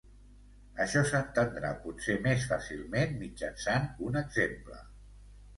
Això s'entendrà potser més fàcilment mitjançant un exemple.